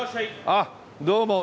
あっどうも。